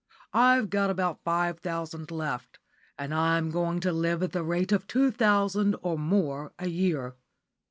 I've got about five thousand left, and I'm going to live at the rate of two thousand or more a year.